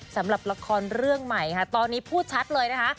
สำหรับละครเรื่องใหม่ค่ะตอนนี้พูดชัดเลยนะคะ